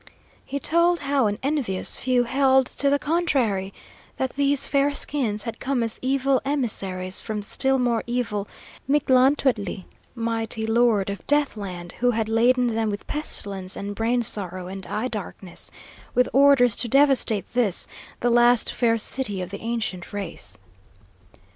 He told how an envious few held to the contrary: that these fair skins had come as evil emissaries from the still more evil Mictlanteuctli, mighty Lord of Death land, who had laden them with pestilence and brain sorrow and eye darkness, with orders to devastate this, the last fair city of the ancient race.